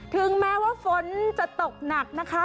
ถึงแม้ว่าฝนจะตกหนักนะคะ